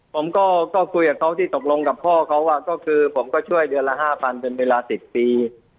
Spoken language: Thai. ผมก็คุยกับเขาที่ตกลงกับพ่อเขาว่าก็คือผมก็ช่วยเดือนละ๕๐๐เป็นเวลา๑๐ปี